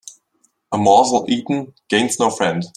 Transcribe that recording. A morsel eaten gains- no friend